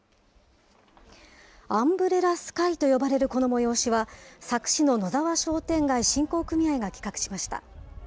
アンブレラスカイと呼ばれるこの催しは、佐久市ののざわ商店街振興組合が企画しました。